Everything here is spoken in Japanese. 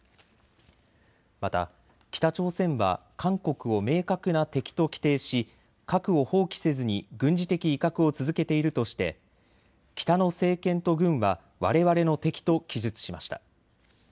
また北朝鮮は韓国を明確な敵と規定し核を放棄せずに軍事的威嚇を続けているとして北の政権と軍はわれわれの敵と記述しました。